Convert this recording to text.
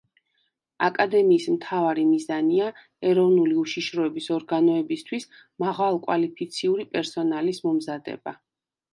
აკადემიის მთავარი მიზანია ეროვნული უშიშროების ორგანოებისთვის მაღალკვალიფიციური პერსონალის მომზადება.